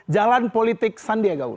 jalan politik sandiaga uno